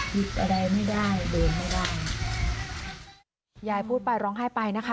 หยิบอะไรไม่ได้เดินไม่ได้ยายพูดไปร้องไห้ไปนะคะ